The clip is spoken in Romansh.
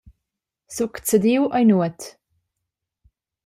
Succediu ei nuot.